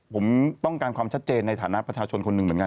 ผมต้องการความชัดเจนในฐานะประชาชนคนหนึ่งเหมือนกัน